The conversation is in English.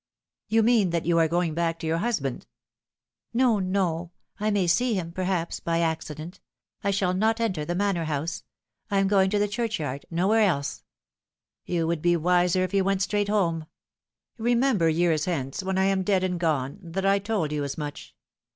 " You mean that you are going back to your husband ?"" No, no. I may see him, perhaps, by accident. I shall not enter the Manor House. I am going to the churchyard no where else." " You would be wiser if you went straight home. Remem ber, years hence, when I am dead and gone, that I told you as much.